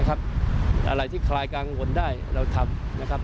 อะไรที่คลายกังวลได้เราทำ